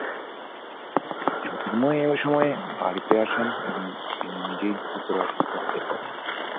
জ্যোতির্ময় এই সময়ে বাড়িতে আসেন এবং তিনি নিজেই গুরুতর অসুস্থ হয়ে পড়েন।